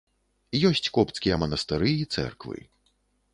Ёсць копцкія манастыры і цэрквы.